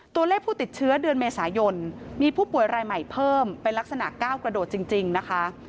ตัวเลขผู้ติดเชื้อเดือนเมษายนมีผู้ป่วยรายใหม่เพิ่มเป็นลักษณะก้าวกระโดดจริงนะคะ